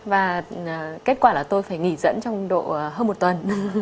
và kết quả là tôi phải nghỉ dẫn trong độ hơn một tuần